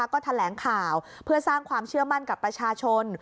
ก็แถลงข่าวเพื่อสร้างความเชื่อมั่นกับประชาชน